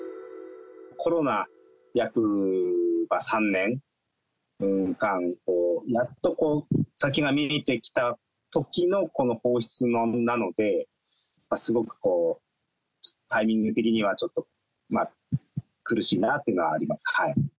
コロナ、約３年間を経て、やっと先が見えてきたときの、この放出なので、すごくタイミング的にはちょっと苦しいなっていうのはあります。